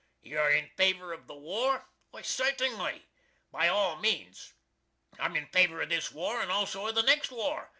"You're in favor of the war?" "Certingly. By all means. I'm in favor of this war and also of the next war.